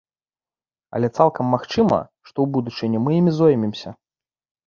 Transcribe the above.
Але цалкам магчыма, што ў будучыні мы імі зоймемся.